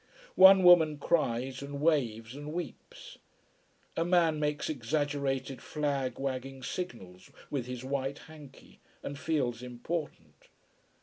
One woman cries and waves and weeps. A man makes exaggerated flag wagging signals with his white handky, and feels important.